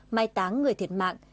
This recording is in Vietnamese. mai táng người thiệt mạng